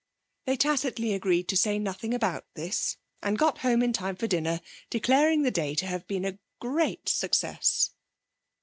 They tacitly agreed to say nothing about this, and got home in time for dinner, declaring the day to have been a great success.